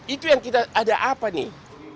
itu yang kita ada apa nih